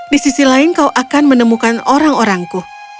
di sisi lain kau akan menemukan orang orangku